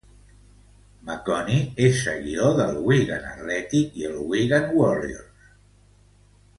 Maconie és seguidor del Wigan Athletic i el Wigan Warriors.